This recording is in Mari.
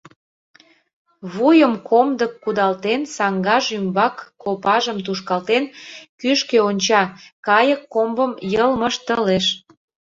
Вуйым комдык кудалтен, саҥгаж ӱмбак копажым тушкалтен, кӱшкӧ онча, кайык комбым «йылмыштылеш».